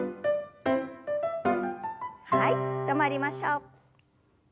はい止まりましょう。